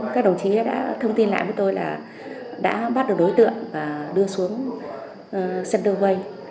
các đồng chí đã thông tin lại với tôi là đã bắt được đối tượng và đưa xuống sân đường vây